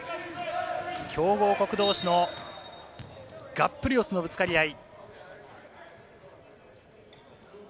強豪国同士のがっぷり四つのぶつかり合い。